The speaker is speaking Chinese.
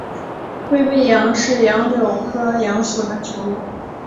灰背杨是杨柳科杨属的植物。